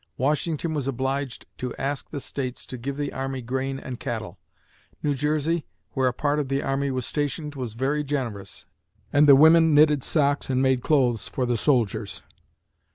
Washington was obliged to ask the states to give the army grain and cattle. New Jersey, where a part of the army was stationed, was very generous and the women knitted socks and made clothes for the soldiers.